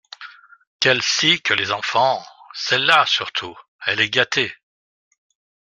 Quelle scie que les enfants !… celle-là surtout… elle est gâtée !…